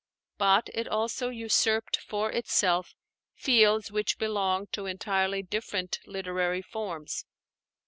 But it also usurped for itself fields which belong to entirely different literary forms.